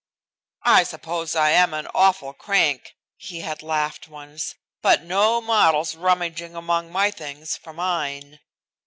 "I suppose I am an awful crank," he had laughed once, "but no models rummaging among my things for mine."